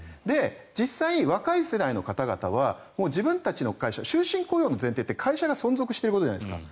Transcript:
実際、若い世代の方々は自分たちの会社終身雇用の前提って会社が存続していることじゃないですか。